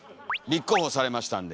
立候補されましたんで。